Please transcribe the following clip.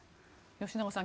吉永さん